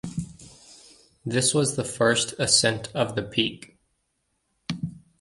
This was the first ascent of the peak.